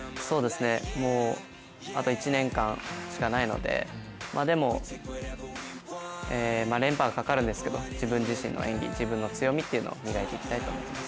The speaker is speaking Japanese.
もうあと１年間しかないのででも連覇がかかるんですけれども自分自身の演技、自分の強みっていうのを磨いていきたいと思います。